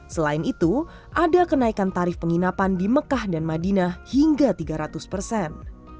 selain itu ada kenaikan tarif penginapan di mekah dan madinah hingga tiga ratus persen